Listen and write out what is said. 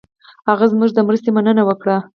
هغه زموږ د مرستې مننه وکړه.